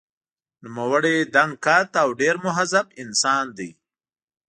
نوموړی دنګ قد او ډېر مهذب انسان دی.